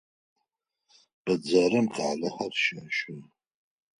Бэдзэрым къалэхэр щащэ.